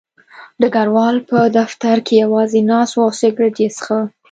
ډګروال په دفتر کې یوازې ناست و او سګرټ یې څښه